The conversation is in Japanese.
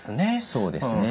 そうですね。